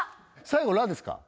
最後「ラ」ですか？